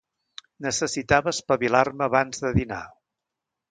Necessitava espavilar-me abans de dinar.